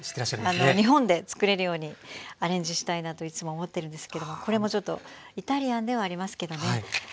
日本でつくれるようにアレンジしたいなといつも思ってるんですけどもこれもちょっとイタリアンではありますけどね。